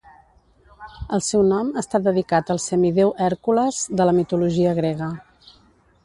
El seu nom està dedicat al semidéu Hèrcules, de la mitologia grega.